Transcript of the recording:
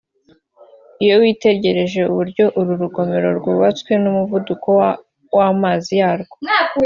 Iyo witegereje uburyo uru rugomero rwubatse n’umuvuduko w’amazi yarwo